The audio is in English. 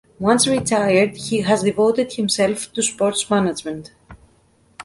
Once retired, he has devoted himself to sports management.